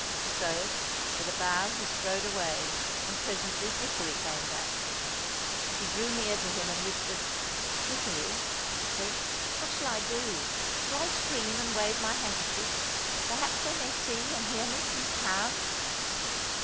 So, with a bow he strode away, and presently Dickory came back. She drew near to him and whispered. "Dickory," she said, "what shall I do? Shall I scream and wave my handkerchief? Perhaps they may see and hear me from the town."